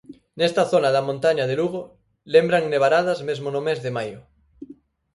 Nesta zona da Montaña de Lugo lembran nevaradas mesmo no mes de maio.